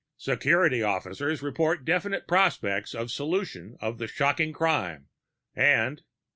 Security officials report definite prospects of solution of the shocking crime, and...."